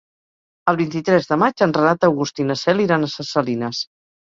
El vint-i-tres de maig en Renat August i na Cel iran a Ses Salines.